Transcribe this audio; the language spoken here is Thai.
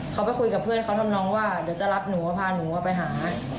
เขาไปคุยกับเพื่อนเขาทำน้องว่าเดี๋ยวจะรับหนูพาหนูไปหา